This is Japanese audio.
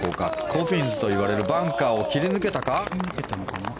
コフィンズといわれるバンカーを切り抜けたか。